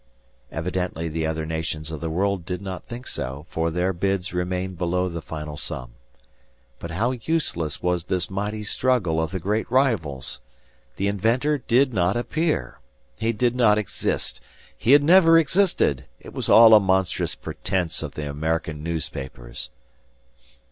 Evidently the other nations of the world did not think so, for their bids remained below the final sum. But how useless was this mighty struggle of the great rivals! The inventor did not appear! He did not exist! He had never existed! It was all a monstrous pretense of the American newspapers.